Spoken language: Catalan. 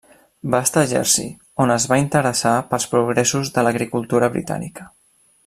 Va estar a Jersey, on es va interessar pels progressos de l'agricultura britànica.